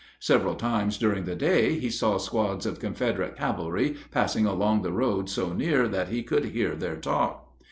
Several times during the day he saw squads of Confederate cavalry passing along the road so near that he could hear their talk.